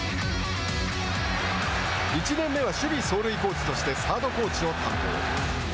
１年目は守備走塁コーチとしてサードコーチを担当。